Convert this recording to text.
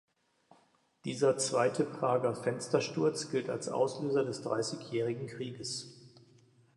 Dieser Zweite Prager Fenstersturz gilt als Auslöser des Dreißigjährigen Krieges.